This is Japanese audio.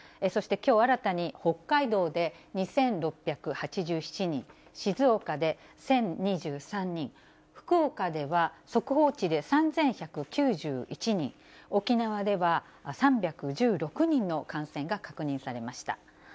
そして、きょう新たに北海道で２６８７人、静岡で１０２３人、福岡では速報値で３１９１人、沖縄では３１６人の感染が確認されました。